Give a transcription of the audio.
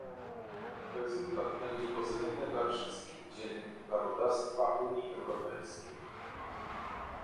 Rezultat będzie pozytywny dla wszystkich dziedzin prawodawstwa Unii Europejskiej